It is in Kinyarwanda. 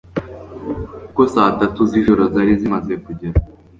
kuko saa tatu zijoro zari zimaze kugera